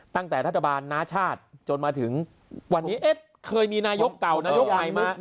ตั้งแต่ธรรมดาชาติจนมาถึงวันนี้เอ๊ะเคยมีนายกเก่านายกใหม่มา